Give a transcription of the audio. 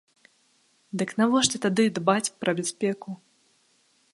Дык навошта тады дбаць пра бяспеку?